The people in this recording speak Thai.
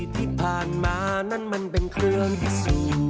ถ้าได้นำจะได้ดีแค่ไหน